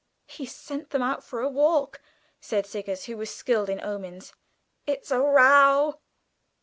"He's sent them out for a walk," said Siggers, who was skilled in omens. "It's a row!"